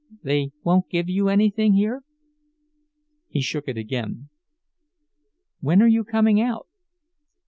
"They won't give you anything here?" He shook it again. "When are you coming out?"